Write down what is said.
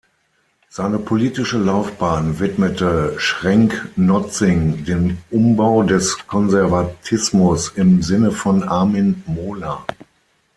Seine politische Laufbahn widmete Schrenck-Notzing dem Umbau des Konservatismus im Sinne von Armin Mohler.